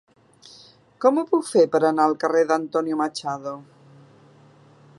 Com ho puc fer per anar al carrer d'Antonio Machado?